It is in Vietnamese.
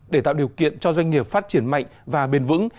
để tạo điều kiện cho doanh nghiệp phát triển mạnh và bền vững